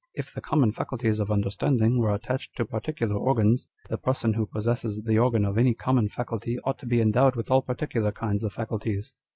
If the common faculties of understanding were attached to particular organs, the person who possesses the organ of any common faculty ought to be endowed with all particular kinds of .faculties.